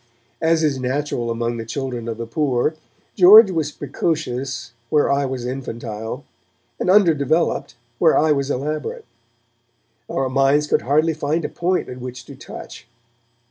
As is natural among the children of the poor, George was precocious where I was infantile, and undeveloped where I was elaborate. Our minds could hardly find a point at which to touch.